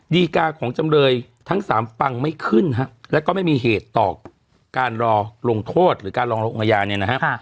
ดีกาของจำเลยทั้งสามปังไม่ขึ้นฮะแล้วก็ไม่มีเหตุต่อการรอลงโทษหรือการรองลงอาญาเนี่ยนะฮะ